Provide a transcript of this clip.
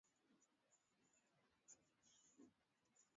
namna gani kufanya kazi ya kisasa kwa siri kama ni lazimakumi na tano